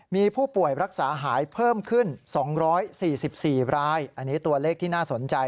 มีผู้ป่วยรักษาหายเพิ่มขึ้น๒๔๔รายอันนี้ตัวเลขที่น่าสนใจ